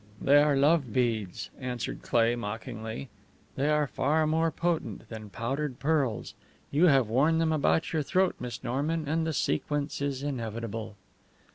"They are love beads," answered Cleigh, mockingly. "They are far more potent than powdered pearls. You have worn them about your throat, Miss Norman, and the sequence is inevitable."